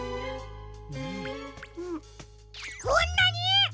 んこんなに！？